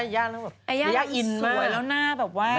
ยายาตกินตรงนั่น